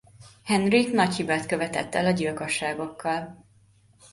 Henrik nagy hibát követett el a gyilkosságokkal.